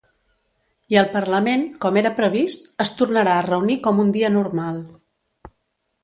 I el parlament, com era previst, es tornarà a reunir com un dia normal.